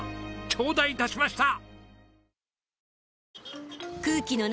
ちょうだい致しました！